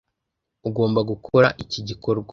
Ugomba gukora iki gikorwa